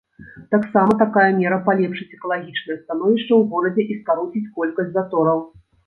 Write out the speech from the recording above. Таксама такая мера палепшыць экалагічнае становішча ў горадзе і скароціць колькасць затораў.